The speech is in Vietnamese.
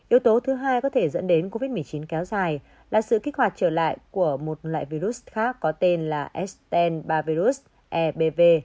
yếu tố thứ hai có thể dẫn đến covid một mươi chín kéo dài là sự kích hoạt trở lại của một loại virus khác có tên là s một trăm linh ba virus ebv